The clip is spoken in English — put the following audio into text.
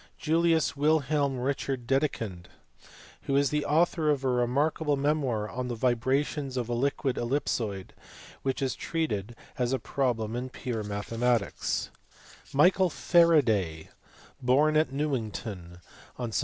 Julius Wilhelm Richard Dedekind (see above, p. 462), who is the author of a remarkable memoir on the vibrations of a liquid ellipsoid, which is treated as a problem in pure mathematics. 494 MATHEMATICAL PHYSICS. Michael Faraday, born at Newington on Sept.